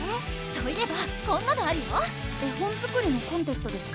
そういえばこんなのあるよ絵本作りのコンテストですか？